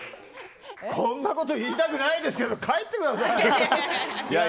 こんなこと言いたくないですけど帰ってください。